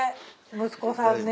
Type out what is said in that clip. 息子さんね。